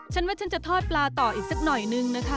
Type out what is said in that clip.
ฉันว่าฉันจะทอดปลาต่ออีกสักหน่อยนึงนะคะ